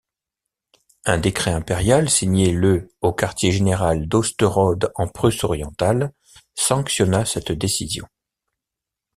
Un décret impérial signé le au quartier général d'Osterode en Prusse-Orientale sanctionna cette décision.